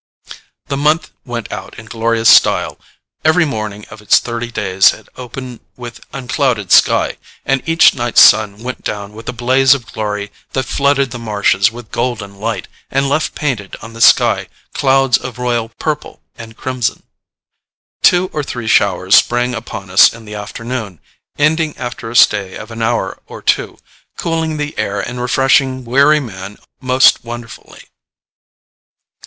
The month went out in glorious style: every morning of its thirty days had opened with unclouded sky, and each night's sun went down with a blaze of glory that flooded the marshes with golden light and left painted on the sky clouds of royal purple and crimson. Two or three showers sprang upon us in the afternoon, ending after a stay of an hour or two, cooling the air and refreshing weary man most wonderfully.